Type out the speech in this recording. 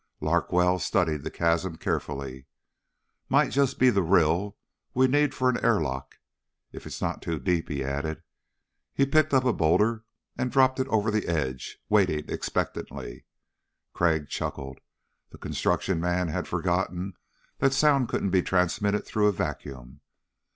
Larkwell studied the chasm carefully. "Might be just the rill we need for an airlock. If it's not too deep," he added. He picked up a boulder and dropped it over the edge, waiting expectantly. Crag chuckled. The construction man had forgotten that sound couldn't be transmitted through a vacuum.